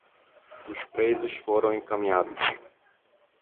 Os presos foram encaminhados